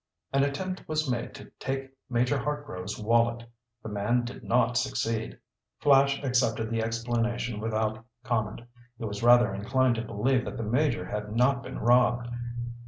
"An attempt was made to take Major Hartgrove's wallet. The man did not succeed." Flash accepted the explanation without comment. He was rather inclined to believe that the Major had not been robbed.